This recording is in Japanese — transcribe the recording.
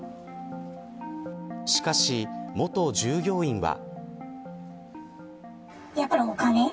しかし、元従業員は。